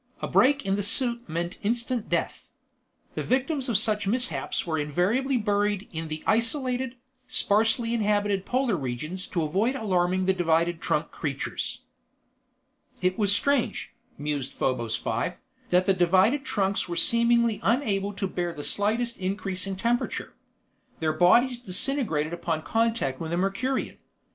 A break in the suit meant instant death. The victims of such mishaps were invariably buried in the isolated, sparsely inhabited Polar regions to avoid alarming the divided trunk creatures. It was strange, mused Probos Five, that the divided trunks were seemingly unable to bear the slightest increase in temperature. Their bodies disintegrated upon contact with a Mercurian.